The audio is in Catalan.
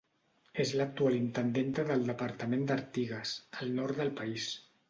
És l'actual intendenta del departament d'Artigas, al nord del país.